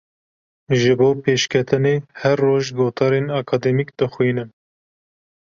Ji bo pêşketinê her roj gotarên akademîk dixwînim.